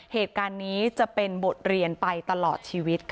เหตุการณ์นี้จะเป็นบทเรียนไปตลอดชีวิต